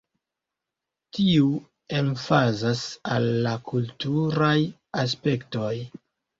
Tiu emfazas al la kulturaj aspektoj.